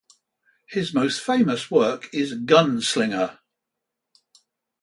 His most famous work is "Gunslinger".